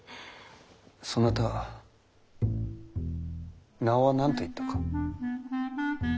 そなた名は何と言ったか。